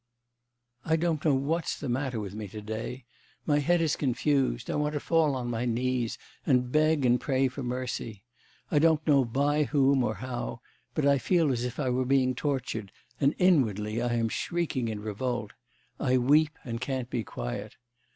'... I don't know what's the matter with me to day; my head is confused, I want to fall on my knees and beg and pray for mercy. I don't know by whom or how, but I feel as if I were being tortured, and inwardly I am shrieking in revolt; I weep and can't be quiet....